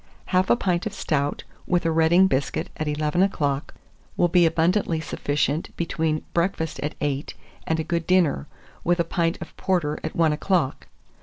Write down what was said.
Half a pint of stout, with a Reading biscuit, at eleven o'clock, will be abundantly sufficient between breakfast at eight and a good dinner, with a pint of porter at one o'clock.